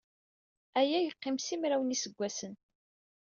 Aya yeqqim simraw n yiseggasen.